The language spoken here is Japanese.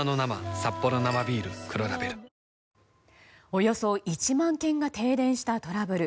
およそ１万軒が停電したトラブル。